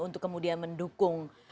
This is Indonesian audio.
untuk kemudian mendukung